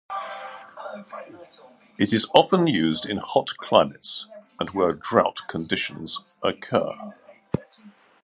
It is often used in hot climates and where drought conditions occur.